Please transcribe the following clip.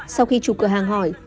sau khi chụp cửa hàng hỏi